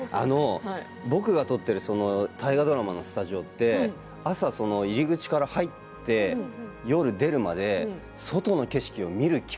僕が撮っている大河ドラマのスタジオって朝入り口から入って夜出るまで、外の景色を見る機会